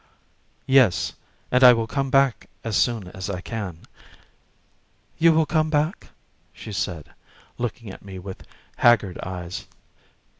"Yes; and I will come back as soon as I can." "You will come back?" she said, looking at me with haggard eyes.